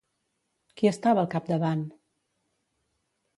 Qui estava al capdavant?